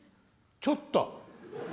「ちょっと。